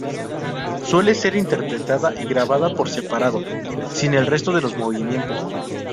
Suele ser interpretada y grabada por separado, sin el resto de los movimientos.